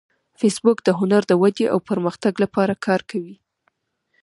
فېسبوک د هنر د ودې او پرمختګ لپاره کار کوي